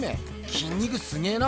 きん肉すげえな。